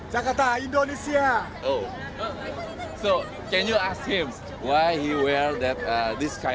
jadi bisa anda bertanya kenapa dia memakai pakaian seperti ini